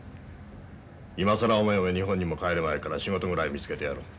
今更おめおめ日本にも帰れまいから仕事ぐらい見つけてやろう。